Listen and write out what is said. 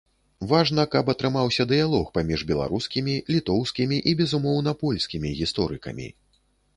Важна, каб атрымаўся дыялог паміж беларускімі, літоўскімі і безумоўна польскімі гісторыкамі.